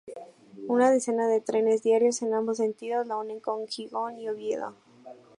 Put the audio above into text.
Una decena de trenes diarios en ambos sentidos la unen con Gijón y Oviedo.